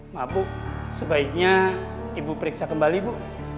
maaf bu sebaiknya ibu periksa kembali bu